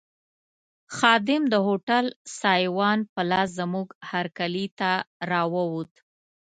خادم د هوټل سایوان په لاس زموږ هرکلي ته راووت.